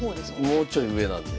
もうちょい上なんで。